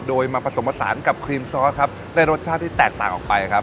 โดยมาผสมผสานกับครีมซอสครับได้รสชาติที่แตกต่างออกไปครับ